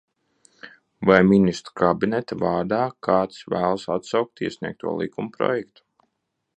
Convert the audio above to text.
Vai Ministru kabineta vārdā kāds vēlas atsaukt iesniegto likumprojektu?